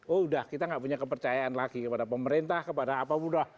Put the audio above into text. oh udah kita nggak punya kepercayaan lagi kepada pemerintah kepada apa mudah